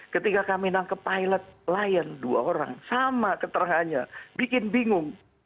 ketika kami nangkep pilot lion dua orang sama keterangannya bikin bingung